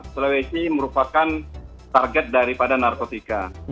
sulawesi merupakan target daripada narkotika